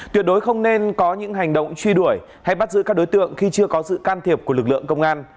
tuyệt đối không nên có những hành động truy đuổi hay bắt giữ các đối tượng khi chưa có sự can thiệp của lực lượng công an